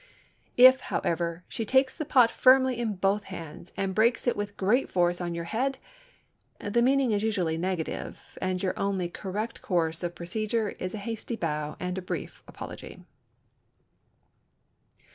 If, however, she takes the pot firmly in both hands and breaks it with great force on your head, the meaning is usually negative and your only correct course of procedure is a hasty bow and a brief apology.